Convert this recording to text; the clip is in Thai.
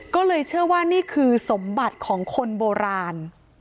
ก็เลยเชื่อว่านี่คือสมบัติของคนโบราณ